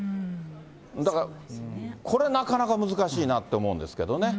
だからこれ、なかなか難しいなって思うんですけどね。